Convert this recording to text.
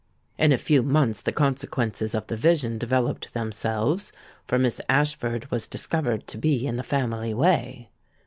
In a few months the consequences of the vision developed themselves; for Miss Ashford was discovered to be in the family way.